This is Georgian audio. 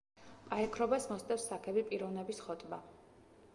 პაექრობას მოსდევს საქები პიროვნების ხოტბა.